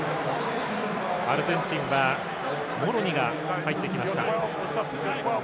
アルゼンチンはモロニが入ってきました。